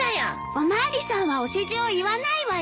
お巡りさんはお世辞を言わないわよ。